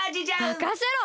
まかせろ！